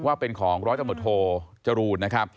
ว่าเป็นของร้อยจำลจรู๋นนะครับ